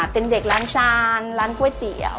เป็นเด็กร้านจานร้านกล้วยเจียว